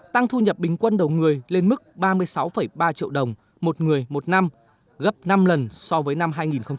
tăng thu nhập bình quân đầu người lên mức ba mươi sáu ba triệu đồng một người một năm gấp năm lần so với năm hai nghìn một mươi